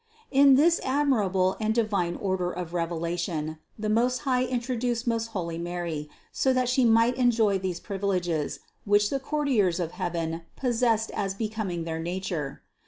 650. Into this admirable and divine order of revelation the Most High introduced most holy Mary, so that She might enjoy these privileges, which the courtiers of heaven possessed as becoming their nature.